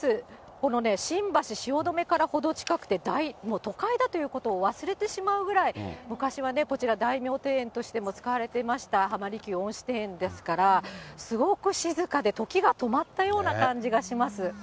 このね、新橋、汐留から程近くて、もう都会だということを忘れてしまうぐらい、昔はね、こちらは大名庭園としても使われていました、浜離宮恩賜庭園ですから、すごく静かで時が止まったような感じがします。